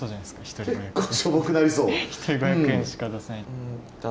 一人５００円しか出せない。